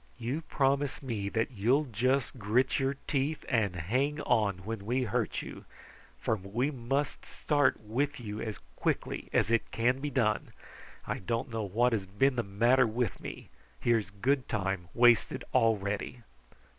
You promise me that you'll just grit your teeth and hang on when we hurt you, for we must start with you as quickly as it can be done. I don't know what has been the matter with me. Here's good time wasted already."